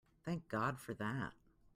Thank God for that!